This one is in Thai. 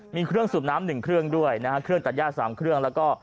มีเครื่องสูบน้ำ๑เครื่องด้วยนะฮะเครื่องตัดย่า๓เครื่องแล้วก็